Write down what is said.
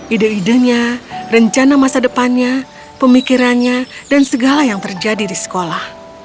ide idenya rencana masa depannya pemikirannya dan segala yang terjadi di sekolah